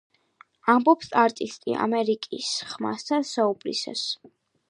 ამბობს არტისტი, “ამერიკის ხმასთან“ საუბრისას.